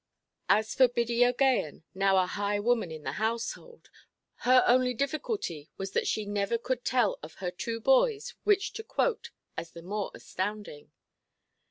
As for Biddy OʼGaghan, now a high woman in the household, her only difficulty was that she never could tell of her two boys which to quote as the more astounding.